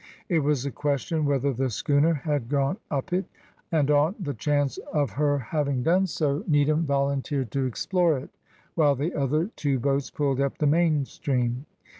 It was a question whether the schooner had gone up it, and on the chance of her having done so, Needham volunteered to explore it, while the other two boats pulled up the main stream.